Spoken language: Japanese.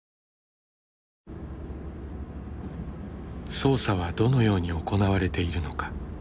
捜査はどのように行われているのか。